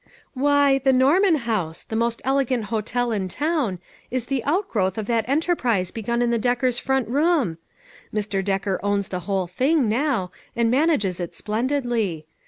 " Why, the Norman House, the most elegant hotel in town, is the outgrowth of that enter prise begun in the Decker's front room! Mr. Decker owns the whole thing, now, and manages it splendidly.